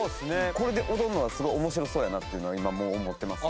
これで踊るのはすごい面白そうやなっていうのは今もう思ってますね。